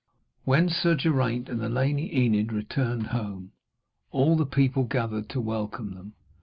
When Sir Geraint and the Lady Enid returned home, all the people gathered to welcome them.